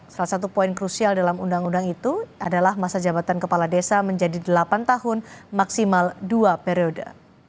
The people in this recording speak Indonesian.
salah satu poin krusial dalam undang undang itu adalah masa jabatan kepala desa menjadi delapan tahun maksimal dua periode